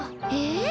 え？